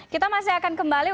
kita masih akan kembali